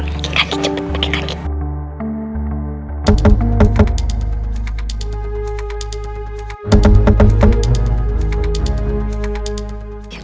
pagi kaki cepet